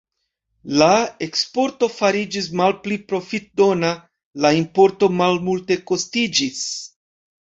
La eksporto fariĝis malpli profitdona, la importo malmultekostiĝis.